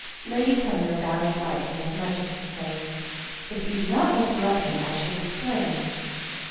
Lady Cumnor bowed slightly, as much as to say, "If you did not interrupt me I should explain."